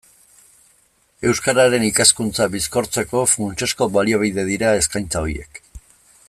Euskararen ikaskuntza bizkortzeko funtsezko baliabide dira eskaintza horiek.